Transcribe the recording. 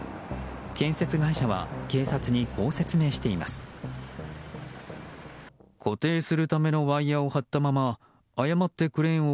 建設会社は警察にこう説明しています。